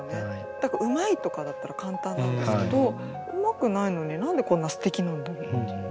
だから「うまい」とかだったら簡単なんですけど「うまくないのに何でこんなすてきなんだろう？」っていう。